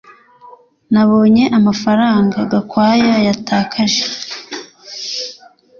Nabonye amafaranga Gakwaya yatakaje